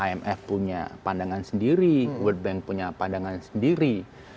imf punya pandangan sendiri world bank punya pandangan sendiri